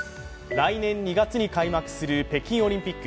来年２月に開幕する北京オリンピック。